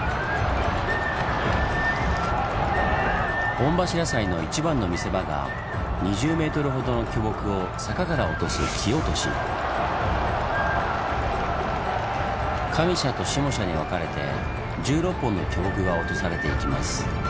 御柱祭の一番の見せ場が２０メートルほどの巨木を坂から落とす上社と下社に分かれて１６本の巨木が落とされていきます。